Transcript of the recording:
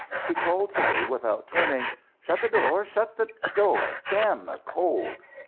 He called to me without turning: "Shut the door! Shut the door! Damn the cold!"